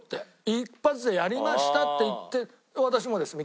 「一発でやりました」って言って「私もです」みたいな話。